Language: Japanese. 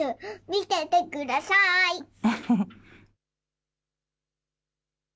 見ててください。